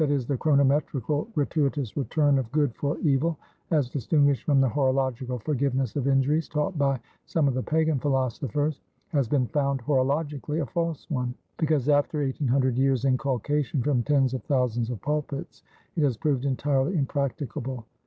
e._ the chronometrical gratuitous return of good for evil, as distinguished from the horological forgiveness of injuries taught by some of the Pagan philosophers), has been found (horologically) a false one; because after 1800 years' inculcation from tens of thousands of pulpits, it has proved entirely impracticable.